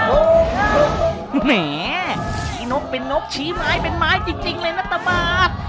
โหน่นกเป็นนกชี้ไม้เป็นไม้จริงเลยนะตะบาท